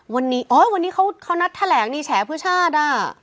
วันนี้อ๋อวันนี้เขานัดแถลงนี่แฉเพื่อชาติอ่ะ